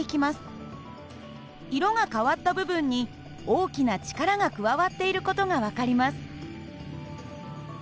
色が変わった部分に大きな力が加わっている事が分かります。